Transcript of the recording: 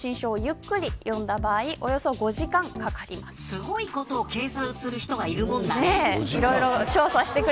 すごいことを計算する人がいるもんだね。